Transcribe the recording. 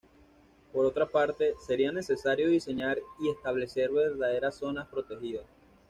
Por otra parte, sería necesario diseñar y establecer verdaderas zonas protegidas.